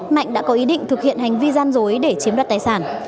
mạnh đã có ý định thực hiện hành vi gian dối để chiếm đoạt tài sản